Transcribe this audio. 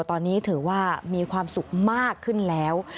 ตอนนี้ถือว่ามีความสุขมากขึ้นแล้ว